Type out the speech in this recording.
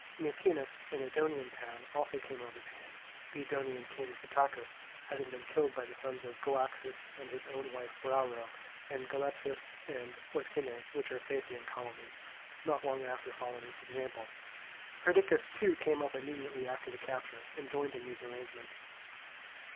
Myrcinus, an Edonian town, also came over to him; the Edonian king Pittacus having been killed by the sons of Goaxis and his own wife Brauro; and Galepsus and Oesime, which are Thasian colonies, not long after followed its example. Perdiccas too came up immediately after the capture and joined in these arrangements.